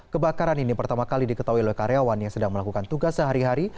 kebakaran ini pertama kali diketahui oleh karyawan yang sedang melakukan tugas sehari hari